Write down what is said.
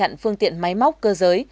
bạn chặn phương tiện máy móc cơ giới